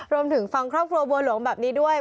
รวมถึงฟังครอบครัวบัวหลวงแบบนี้ด้วย